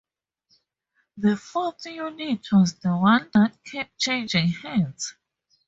The fourth unit was the one that kept changing hands.